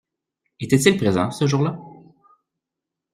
Était-il présent ce jour-là?